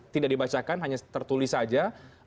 tidak dibacakan hanya tertulis saja